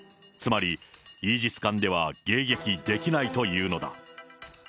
つまり、イージス艦では迎撃できないというのだ。